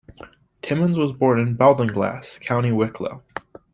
Timmins was born in Baltinglass, County Wicklow.